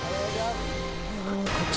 こっち。